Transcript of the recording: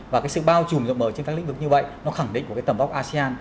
và cái sự bao trùm rộng mở trên các lĩnh vực như vậy nó khẳng định của cái tầm vóc asean